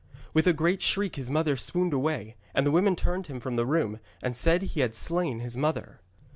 With a great shriek his mother swooned away, and the women turned him from the room and said he had slain his mother.